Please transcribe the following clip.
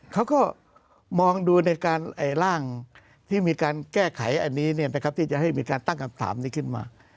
เขาก็มองดูในการร่างที่มีการแก้ไขอันนี้ที่จะให้มีการตั้งคำถามนี้ขึ้นมา